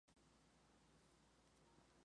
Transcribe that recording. Se utiliza para bacterias filamentosas y mohos.